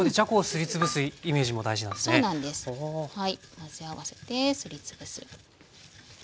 混ぜ合わせてすり潰す。